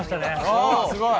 おすごい！